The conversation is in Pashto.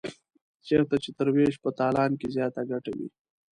چېرته چې تر وېش په تالان کې زیاته ګټه وي.